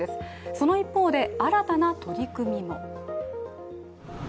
その一方で新たな取り組みも。